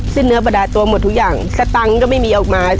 เนื้อประดาตัวหมดทุกอย่างสตังค์ก็ไม่มีออกมา